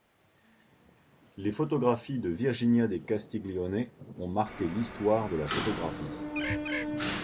Les photographies de Virginia de Castiglione ont marqué l'histoire de la photographie.